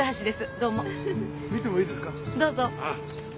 どうぞ。